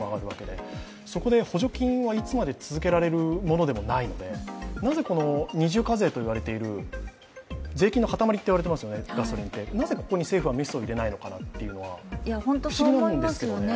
そこで補助金はいつまで続けられるものでもないのでなぜ二重課税といわれている税金のかたまりと言われてますよね、ガソリン、なぜここに政府はメスを入れないのか、不思議なんですよね。